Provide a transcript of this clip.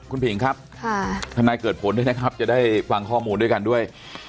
คุณผิงครับทนายเกิดผลด้วยนะครับจะได้ฟังข้อมูลด้วยกันด้วย